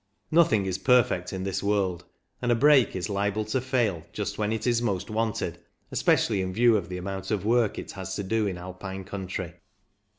Nothing is perfect in this world, and a brake is liable to fail just when it is most wanted, especially in view of the amount of work it has to do in Alpine country.